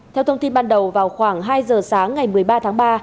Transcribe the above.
theo thông tin ban đầu vào khoảng hai giờ sáng ngày một mươi ba tháng ba